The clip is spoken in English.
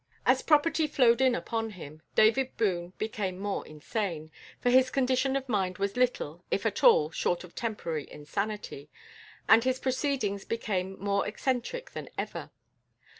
As prosperity flowed in upon him, David Boone became more insane for his condition of mind was little, if at all, short of temporary insanity and his proceedings became more eccentric than ever.